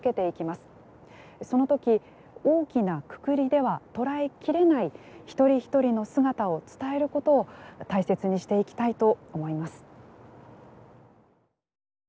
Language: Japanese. その時大きなくくりでは捉え切れない一人一人の姿を伝えることを大切にしていきたいと思います。